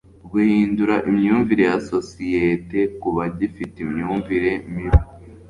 guhindura imyumvire ya sossiyete kubagifite imyumvire mibi